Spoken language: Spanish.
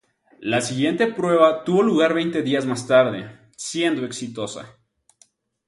La siguiente prueba tuvo lugar veinte días más tarde, siendo exitosa.